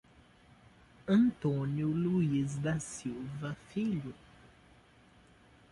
Antônio Luiz da Silva Filho